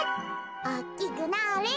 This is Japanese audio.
おおきくなれ。